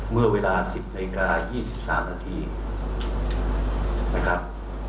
เมื่อเวลา๑๐นาฬิกา๒๓นาทีนะครับ